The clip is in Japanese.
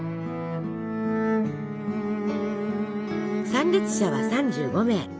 参列者は３５名。